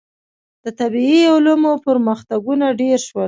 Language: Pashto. • د طبیعي علومو پرمختګونه ډېر شول.